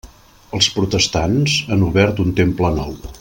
Els protestants han obert un temple nou.